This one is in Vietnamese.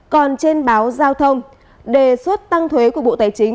còn trên báo giao thông đề xuất tăng thuế của bộ tài chính